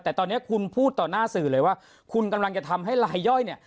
แต่ตอนนี้คุณพูดต่อหน้าสื่อเลยว่าคุณกำลังจะทำให้ลายย่อยเนี่ย